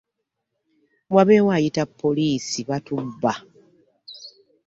Wabeewo ayita poliisi batubba.